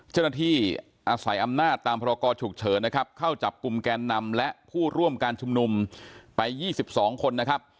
เจ้าหน้าที่อาศัยอำนาจตามพรกรฉุกเฉินนะครับเข้าจับกลุ่มแกนนำและผู้ร่วมการชุมนุมไป๒๒คนนะครับ